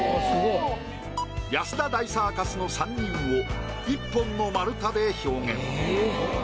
安田大サーカスの３人を１本の丸太で表現。